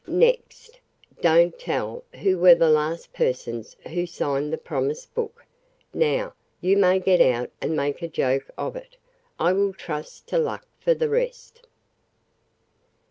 Next, don't tell who were the last persons who signed the promise book. Now, you may get out and make a joke of it. I will trust to luck for the rest."